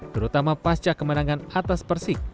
terutama pasca kemenangan atas persik